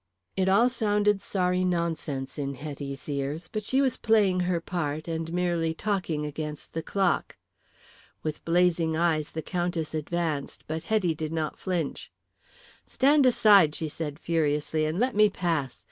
It all sounded sorry nonsense in Hetty's ears, but she was playing her part, and merely talking against the clock. With blazing eyes the Countess advanced, but Hetty did not flinch. "Stand aside," she said furiously, "and let me pass.